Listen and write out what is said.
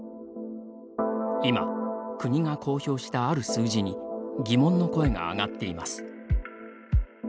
今、国が公表したある数字に疑問の声が上がっています。